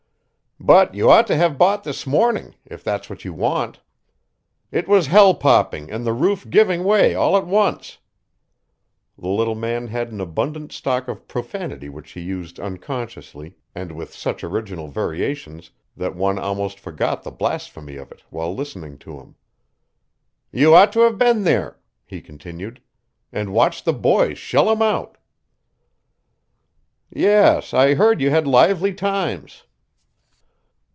"But you ought to have bought this morning, if that's what you want. It was hell popping and the roof giving 'way all at once." The little man had an abundant stock of profanity which he used unconsciously and with such original variations that one almost forgot the blasphemy of it while listening to him. "You ought to have been there," he continued, "and watched the boys shell 'em out!" "Yes, I heard you had lively times."